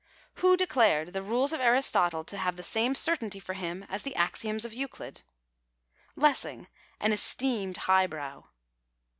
Who declared the rules of Aristotle to have the same certainty for him as the axioms of Euclid ? Lessing, an esteemed " highbrow."